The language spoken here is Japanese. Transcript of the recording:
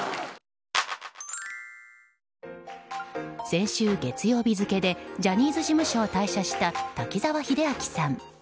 先週月曜日付でジャニーズ事務所を退社した滝沢秀明さん。